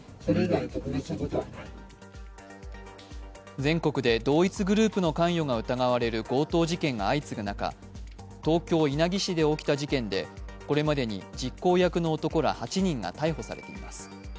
全国で同一グループの関与が疑われる強盗事件が相次ぐ中、東京・稲城市で起きた事件でこれまでに実行役の男ら８人が逮捕されています。